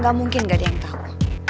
nggak mungkin nggak ada yang tahu